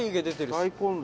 大根だ。